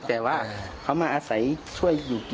แต่ว่าเขามาอยู่กินกับจะช่วยที่นี่